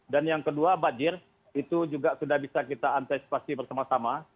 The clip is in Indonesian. dan yang kedua banjir itu juga sudah bisa kita antisipasi bersama sama